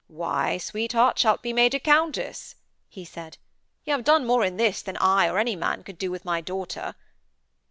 'Why, sweetheart, shalt be made a countess,' he said. 'Y' have done more in this than I or any man could do with my daughter.'